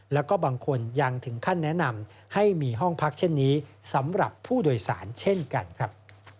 แล้วก็บางคนยังถึงขั้นแนะนำให้มีห้องพักเช่นนี้สำหรับผู้โดยสารเช่นกันครับ